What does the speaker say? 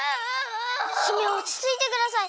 姫おちついてください！